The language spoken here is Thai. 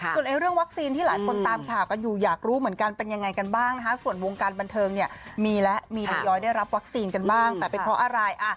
ส่วนเรื่องวัคซีนที่หลายคนตามข่าวกันอยู่อยากรู้เหมือนกันเป็นยังไงกันบ้างนะคะส่วนวงการบันเทิงเนี่ยมีแล้วมีรายย้อยได้รับวัคซีนกันบ้างแต่เป็นเพราะอะไร